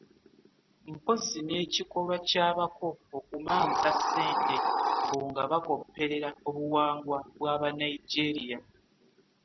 Mpozzi n'ekikolwa ky'abako okumansa ssente mbu nga bakopperera obuwangwa bw'Abanigeria.